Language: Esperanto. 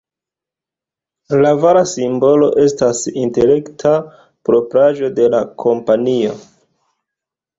La vara simbolo estas intelekta propraĵo de la kompanio.